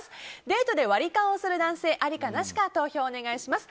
デートで割り勘する男性ありかなしか投票をお願いします。